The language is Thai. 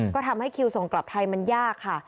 ก็ทำให้คิวส่งกลับไทยมันยากค่ะ